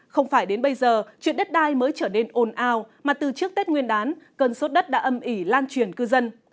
không phải đến bây giờ chuyện đất đai mới trở nên ồn ào mà từ trước tết nguyên đán cơn sốt đất đã âm ỉ lan truyền cư dân